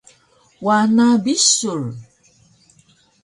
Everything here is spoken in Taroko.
wana bisur